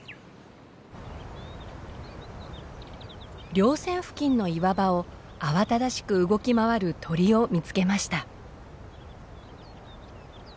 稜線付近の岩場を慌ただしく動き回る鳥を見つけました。